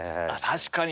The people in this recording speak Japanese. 確かに。